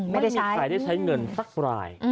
ไม่ได้ใช้ไม่มีใครได้ใช้เงินสักราย